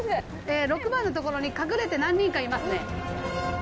６番の所に隠れて何人かいますね。